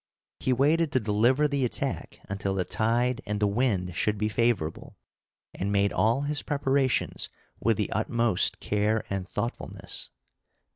He waited to deliver the attack until the tide and the wind should be favorable, and made all his preparations with the utmost care and thoughtfulness.